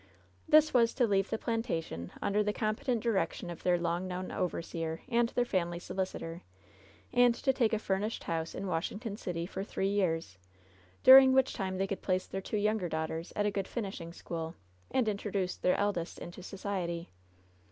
This was to leave the plan tation undei^ the competent direction of their long known overseer and their family solicitor, and to take a fur nished house in Washington City for three years, dur ing which time they could place their two younger daughters at a good finishing school, and introduce their eldest into society.